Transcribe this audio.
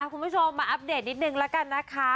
คุณผู้ชมมาอัปเดตนิดนึงแล้วกันนะคะ